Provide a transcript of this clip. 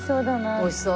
おいしそう。